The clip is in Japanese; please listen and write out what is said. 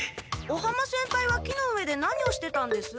尾浜先輩は木の上で何をしてたんです？